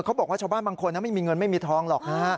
ชาวบ้านบางคนไม่มีเงินไม่มีทองหรอกนะฮะ